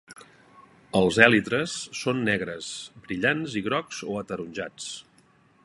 Els èlitres són negres, brillants i grocs o ataronjats.